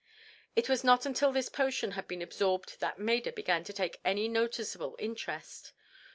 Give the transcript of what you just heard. It was not until this potion had been absorbed that Maida began to take any noticeable interest.